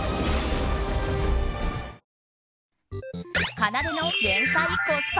かなでの限界コスパ